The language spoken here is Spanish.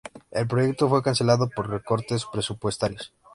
El proyecto fue cancelado por recortes presupuestarios.